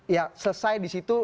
ya selesai di situ